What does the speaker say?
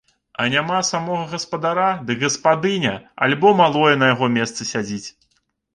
А няма самога гаспадара, дык гаспадыня альбо малое на яго месцы сядзіць.